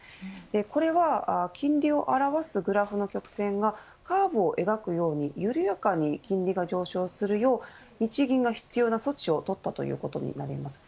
これは金利を表すグラフの曲線がカーブを描くように緩やかに金利が上昇するよう日銀が必要な措置を取ったことということになります。